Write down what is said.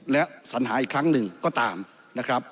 และสัญหาอีกครั้งหนึ่งก็ตามนะครับ